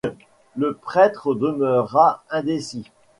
Le prêtre demeura indécis.